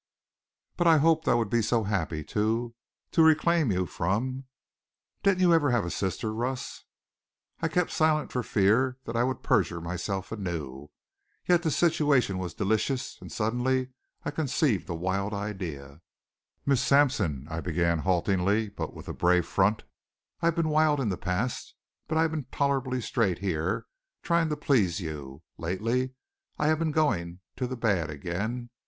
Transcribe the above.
But I hoped I would be so happy to to reclaim you from Didn't you ever have a sister, Russ?" I kept silent for fear that I would perjure myself anew. Yet the situation was delicious, and suddenly I conceived a wild idea. "Miss Sampson," I began haltingly, but with brave front, "I've been wild in the past. But I've been tolerably straight here, trying to please you. Lately I have been going to the bad again.